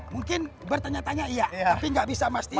mungkin bertanya tanya iya tapi enggak bisa mastiin